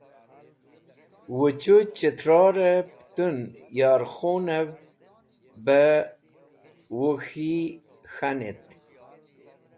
Uchũ Chitrorẽ pẽtũn Yorkhunẽv bẽ Wuk̃hi k̃hẽnet.